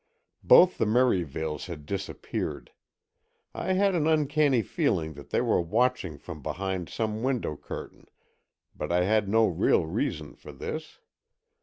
Both the Merivales had disappeared. I had an uncanny feeling that they were watching from behind some window curtain, but I had no real reason for this.